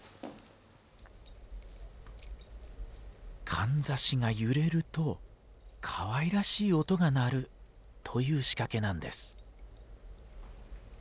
かんざしが揺れるとかわいらしい音が鳴るという仕掛けなんです。